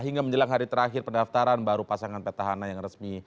hingga menjelang hari terakhir pendaftaran baru pasangan petahana yang resmi